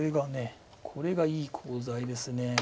これがいいコウ材です。